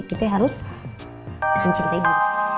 kita harus mencintai diri